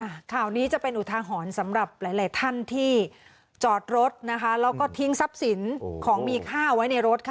ข่าวนี้จะเป็นอุทาหรณ์สำหรับหลายหลายท่านที่จอดรถนะคะแล้วก็ทิ้งทรัพย์สินของมีค่าไว้ในรถค่ะ